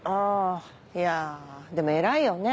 いやぁでも偉いよね。